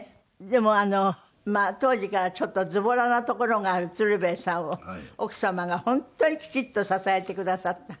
でも当時からちょっとずぼらなところがある鶴瓶さんを奥様が本当にきちっと支えてくださった。